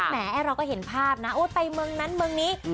แหมเราก็เห็นภาพนะโอ๊ยไปเมืองนั้นเมืองนี้